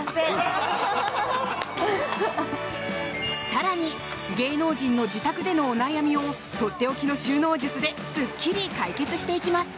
更に芸能人の自宅でのお悩みをとっておきの収納術でスッキリ解決していきます。